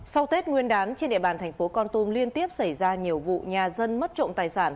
sau tết nguyên đán trên địa bàn thành phố con tum liên tiếp xảy ra nhiều vụ nhà dân mất trộm tài sản